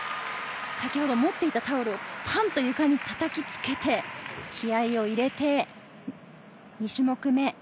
先ほどを持っていたタオルを床にたたきつけて、気合を入れて２種目目。